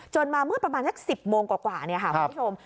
มาเมื่อประมาณสัก๑๐โมงกว่าเนี่ยค่ะคุณผู้ชม